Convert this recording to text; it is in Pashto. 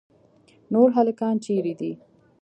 نور هلکان چیرې دي.